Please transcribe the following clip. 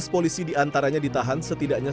sebelas polisi diantaranya ditahan setidaknya